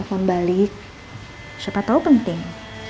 telepon balik siapa tau penting